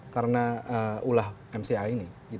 karena ulah mca ini